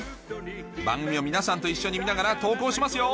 番組を皆さんと一緒に見ながら投稿しますよ